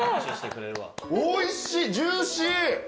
おいしいジューシー。